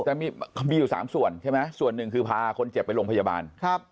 แต่มีอยู่๓ส่วนใช่ไหมส่วนหนึ่งคือพาคนเจ็บไปโรงพยาบาล